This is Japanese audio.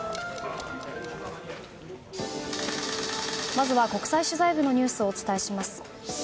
まずは国際取材部のニュースをお伝えします。